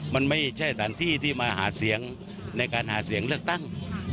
มันไม่ใช่สถานที่ที่มาหาเสียงในการหาเสียงเลือกตั้ง